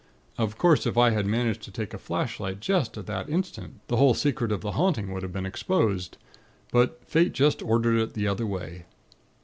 Of course, if I had managed to take a flashlight just at that instant, the whole secret of the haunting would have been exposed. But Fate just ordered it the other way."